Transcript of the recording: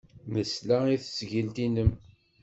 Nesla i tesgilt-nnem.